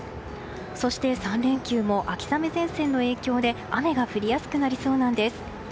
そして、３連休も秋雨前線の影響で雨が降りやすくなりそうなんです。